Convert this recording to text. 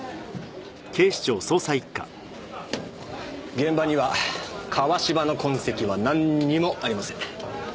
現場には川芝の痕跡はなんにもありません。